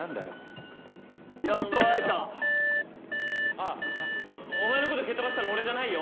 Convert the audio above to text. あぁお前のこと蹴っ飛ばしたの俺じゃないよ？